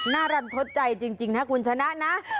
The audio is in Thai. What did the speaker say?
น่ารันทดใจจริงถ้าคุณชนะนะ